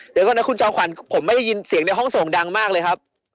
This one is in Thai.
เดี๋ยวก่อนนะคุณจอมขวัญผมไม่ได้ยินเสียงในห้องส่งดังมากเลยครับ